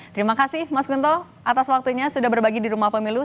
terima kasih mas gunto atas waktunya sudah berbagi di rumah pemilu